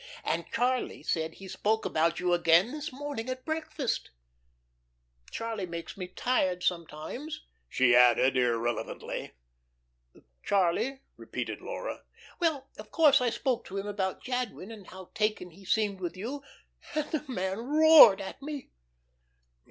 And Charlie said he spoke about you again this morning at breakfast. Charlie makes me tired sometimes," she added irrelevantly. "Charlie?" repeated Laura. "Well, of course I spoke to him about Jadwin, and how taken he seemed with you, and the man roared at me."